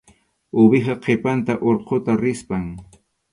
Uwihap qhipanta urquta rispam.